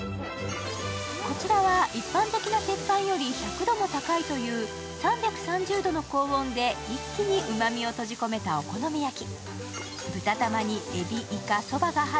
こちらは一般的な鉄板より１００度も高いという３３０度の高温で一気にうまみを閉じ込めたお好み焼き。